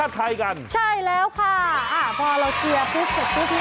อะไรอย่างไรล่ะเชียร์อยู่ดี